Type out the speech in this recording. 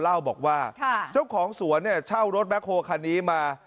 เล่าบอกว่าเจ้าของสวนเนี่ยเช่ารถแบ็คโฮคันนี้มา